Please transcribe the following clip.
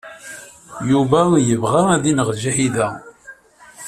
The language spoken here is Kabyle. Yuba yebɣa ad ineɣ Ǧahida.